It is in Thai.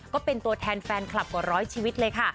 ก็เป็นตัวแทนแฟนคลับกว่าร้อยชีวิตเลยค่ะ